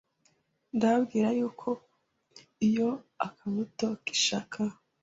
ndababwira yuko iyo akabuto k’ishaka